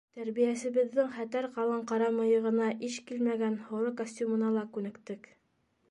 Тәрбиәсебеҙҙең хәтәр ҡалын ҡара мыйығына иш килмәгән һоро костюмына ла күнектек.